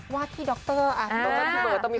ว่าพี่ดรอันนี้